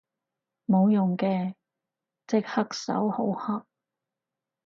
冇用嘅，隻黑手好黑